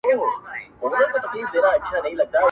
• یار ګیله من له دې بازاره وځم,